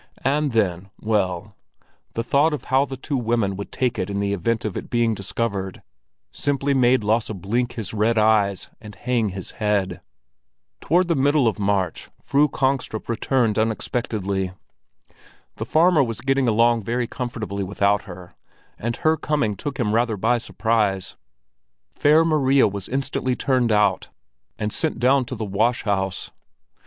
And then—well, the thought of how the two women would take it in the event of its being discovered, simply made Lasse blink his red eyes and hang his head. Towards the middle of March, Fru Kongstrup returned unexpectedly. The farmer was getting along very comfortably without her, and her coming took him rather by surprise. Fair Maria was instantly turned out and sent down to the wash house.